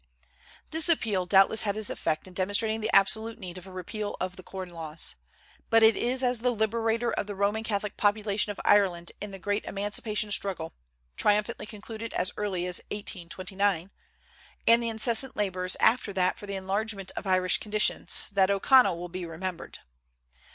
This appeal doubtless had its effect in demonstrating the absolute need of a repeal of the corn laws. But it is as the "liberator" of the Roman Catholic population of Ireland in the great emancipation struggle, triumphantly concluded as early as 1829, and the incessant labors after that for the enlargement of Irish conditions, that O'Connell will be remembered.